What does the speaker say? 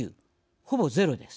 ほぼ、ゼロです。